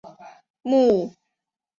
目前已举办三届评选。